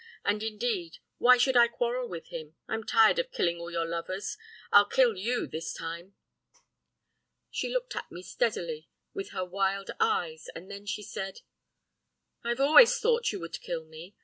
And, indeed, why should I quarrel with him? I'm tired of killing all your lovers; I'll kill you this time.' "She looked at me steadily with her wild eyes, and then she said: "'I've always thought you would kill me.